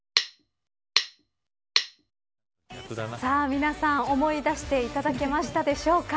皆さん、思い出していただけましたでしょうか。